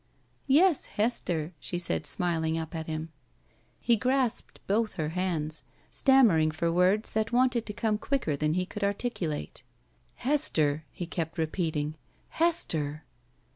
"Yes, Hester," she said, smiling up at him. He grasped both her hands, stammering for words that wanted to come quicker than he could articu late. "Hester!" he kept repeating. "Hester!"